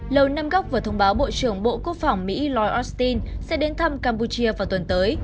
lầu năm góc vừa thông báo bộ trưởng bộ quốc phòng mỹ lloyd austin sẽ đến thăm campuchia vào tuần tới